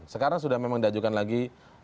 sekarang sudah memang diajukan lagi